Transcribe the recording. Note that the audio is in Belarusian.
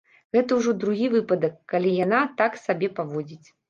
Гэта ўжо другі выпадак, калі яна так сябе паводзіць.